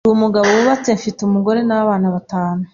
Ndi umugabo wubatse mfite , umugore n’abana batanu